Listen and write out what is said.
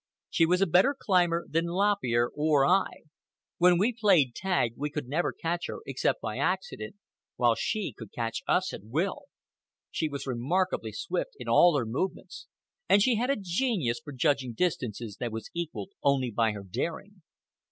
She was a better climber than Lop Ear or I. When we played tag we could never catch her except by accident, while she could catch us at will. She was remarkably swift in all her movements, and she had a genius for judging distances that was equalled only by her daring.